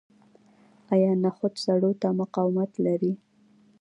آیا نخود سړو ته مقاومت لري؟